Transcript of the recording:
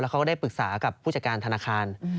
เขาก็ได้ปรึกษากับผู้จัดการธนาคาร